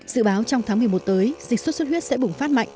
dự báo trong tháng một mươi một tới dịch sốt xuất huyết sẽ bùng phát mạnh